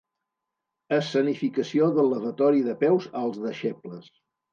Escenificació del lavatori de peus als deixebles.